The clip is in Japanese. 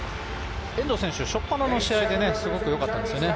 遠藤選手、しょっぱなの試合ですごくよかったんですよね。